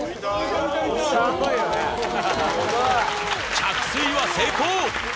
着水は成功！